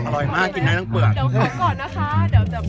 อร่อยมากกินทั้งทั้งเปลือก